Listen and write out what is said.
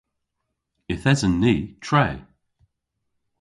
Yth esen ni tre.